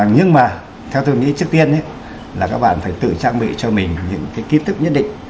nhưng mà theo tôi nghĩ trước tiên là các bạn phải tự trang bị cho mình những kỹ tức nhất định